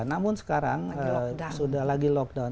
namun sekarang sudah lagi lockdown